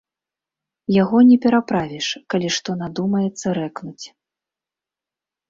Яго не пераправіш, калі што надумаецца рэкнуць.